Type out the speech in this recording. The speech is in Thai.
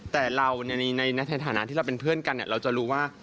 แต่เราในฐานะที่เราเป็นเพื่อนกันเราจะรู้ว่า